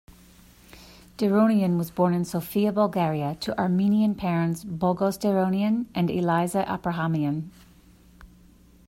Derounian was born in Sofia, Bulgaria to Armenian parents Boghos Derounian and Eliza Aprahamian.